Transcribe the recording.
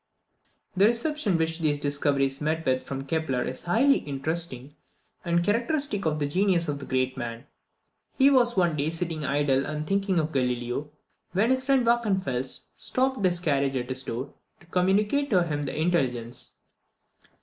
The reception which these discoveries met with from Kepler is highly interesting, and characteristic of the genius of that great man. He was one day sitting idle, and thinking of Galileo, when his friend Wachenfels stopped his carriage at his door, to communicate to him the intelligence.